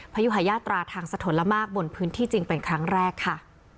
พยุหายาตราทางสะทนละมากบนพื้นที่จริงเป็นครั้งแรกค่ะ